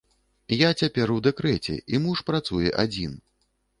Я цяпер у дэкрэце, і муж працуе адзін.